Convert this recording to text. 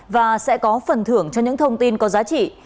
và sẽ có phần thưởng cho những thông tin có giá trị